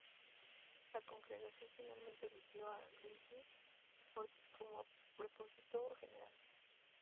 La Congregación finalmente eligió a Luigi Fortis como prepósito general.